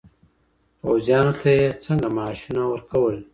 پوځیانو ته یې څنګه معاشونه ورکول؟